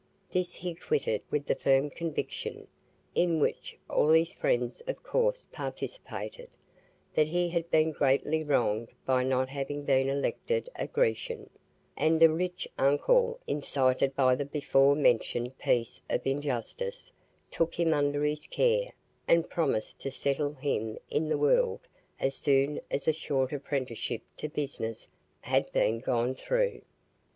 This he quitted with the firm conviction (in which all his friends of course participated) that he had been greatly wronged by not having been elected a Grecian; and a rich uncle, incited by the beforementioned piece of injustice, took him under his care, and promised to settle him in the world as soon as a short apprenticeship to business had been gone through.